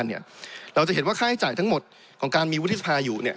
เราจะเห็นว่าค่าใช้จ่ายทั้งหมดของการมีวุฒิสภาอยู่